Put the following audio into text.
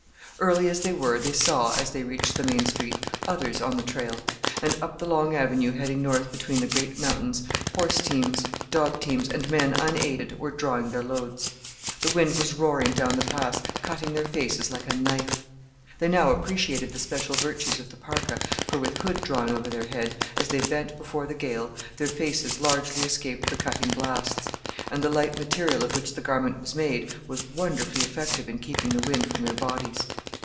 Early as they were they saw, as they reached the main street, others on the trail; and up the long avenue heading north between the great mountains horse teams, dog teams, and men unaided were drawing their loads. The wind was roaring down the pass, cutting their faces like a knife. They now appreciated the special virtues of the parka, for with hood drawn over their head, as they bent before the gale, their faces largely escaped the cutting blasts; and the light material of which the garment was made was wonderfully effective in keeping the wind from their bodies.